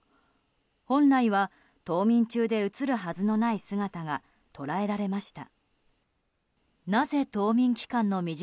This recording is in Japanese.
本来は冬眠中で映るはずのない姿が捉えられました。